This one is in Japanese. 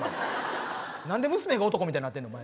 何で娘が男みたいになってんの。